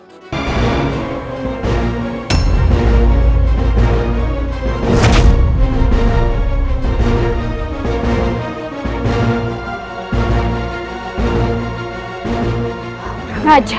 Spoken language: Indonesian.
guys tuker tunggu tamuk